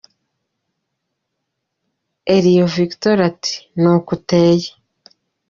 Elion Victory ati: Ni uko ateye.